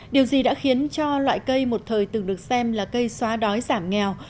điều gì đã khiến cho loại cây một thời từng được xem là cây xóa đói giảm nghèo